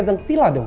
datang ke vila dong